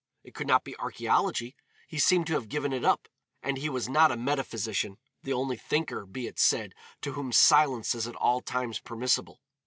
It could not be archæology, he seemed to have given it up, and he was not a metaphysician, the only thinker, be it said, to whom silence is at all times permissible.